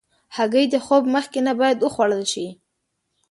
هګۍ د خوب مخکې نه باید وخوړل شي.